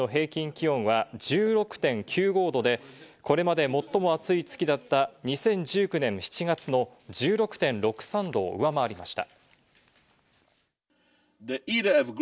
気温は１６．９５℃で、これまで最も暑い月だった２０１９年７月の１６．６３度を上回りました。